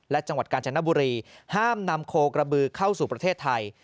และจังหวัดกาญจนบุรีห้ามนำโคกระบือเข้าสู่ประเทศไทย